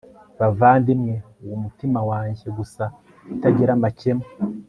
Bavandimwe uwo umutima wanjye gusa utagira amakemwa